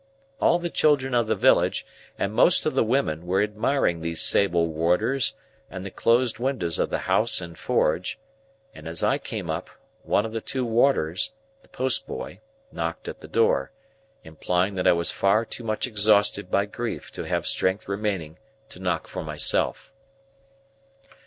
All the children of the village, and most of the women, were admiring these sable warders and the closed windows of the house and forge; and as I came up, one of the two warders (the postboy) knocked at the door,—implying that I was far too much exhausted by grief to have strength remaining to knock for myself.